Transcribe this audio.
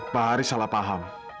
pak haris salah paham